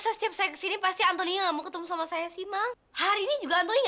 ayo dong jelasin ke aku antoni